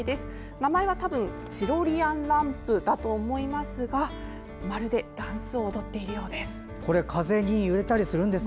名前は多分チロリアンランプだと思いますがまるでダンスを踊っているようです。